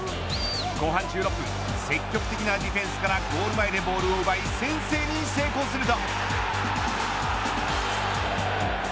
後半１６分積極的なディフェンスからゴール前でボールを奪い顔の印象はね変わるのよ